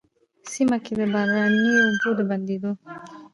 سيمه کي د باراني اوبو د بندېدو،